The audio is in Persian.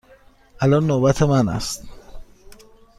الان نوبت من است.